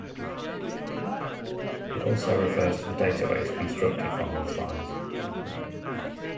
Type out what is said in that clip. It also refers to the database constructed from these files.